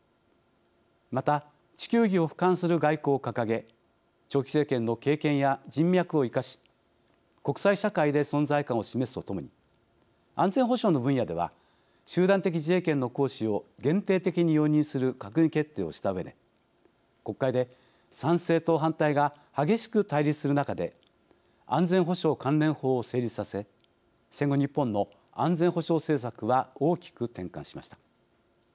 また地球儀をふかんする外交を掲げ長期政権の経験や人脈を生かし国際社会で存在感を示すとともに安全保障の分野では集団的自衛権の行使を限定的に容認する閣議決定をしたうえで国会で賛成と反対が激しく対立する中で安全保障関連法を成立させ戦後日本の安全保障政策は大きく転換しました。